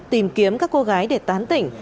tìm kiếm các cô gái để tán tỉnh